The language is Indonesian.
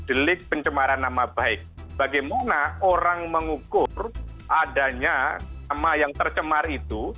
delik pencemaran nama baik bagaimana orang mengukur adanya nama yang tercemar itu